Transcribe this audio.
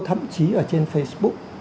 thậm chí ở trên facebook